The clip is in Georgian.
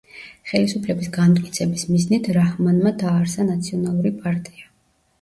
ხელისუფლების განმტკიცების მიზნით რაჰმანმა დააარსა ნაციონალური პარტია.